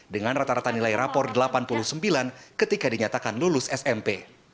dengan rata rata nilai rapor delapan puluh sembilan ketika dinyatakan lulus smp